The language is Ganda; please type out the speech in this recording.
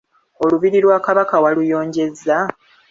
Olubiri lwa Kabaka waluyonjezza?